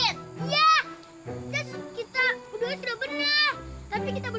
iya kita berdua sudah benar tapi kita berdua sampai